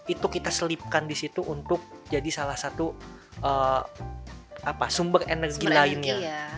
itu kita selipkan di situ untuk jadi salah satu sumber energi lainnya